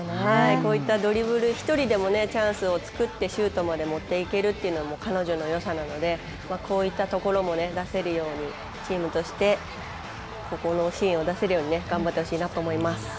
こういったドリブル、１人でもチャンスを作ってシュートまで持っていけるというのが彼女のよさなのでこういったところも出せるようにチームとしてここのシーンを出せるように頑張ってほしいなと思います。